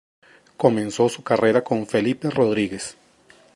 Comenzó su carrera con Felipe Rodríguez.